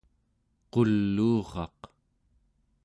quluuraq